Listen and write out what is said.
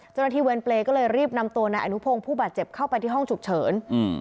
เวรเปรย์ก็เลยรีบนำตัวนายอนุพงศ์ผู้บาดเจ็บเข้าไปที่ห้องฉุกเฉิน